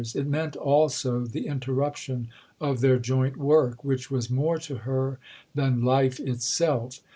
It meant also the interruption of their joint work, which was more to her than life itself.